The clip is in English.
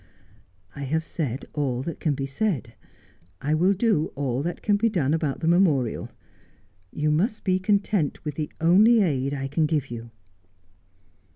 ' I have said all that can be said. I will do all that can be done about the memorial. You must be content with the only aid I can give you.'